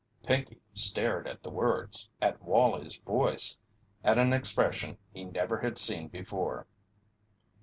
Pinkey stared at the words at Wallie's voice at an expression he never had seen before.